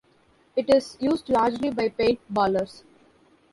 It is used largely by paint-ballers.